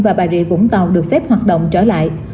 và bà rịa vũng tàu được phép hoạt động trở lại